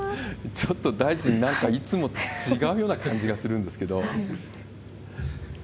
ちょっと大臣、なんかいつもと違うような感じがするんですけど。